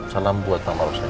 salam buat mama rosy